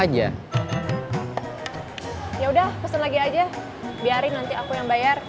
ya udah pesen lagi aja biarin nanti aku yang bayar